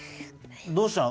どうしたの？